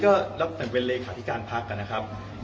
อ๋อก็ก่อนหน้านี้ก็รับเป็นเลขาธิการภาคกันนะครับ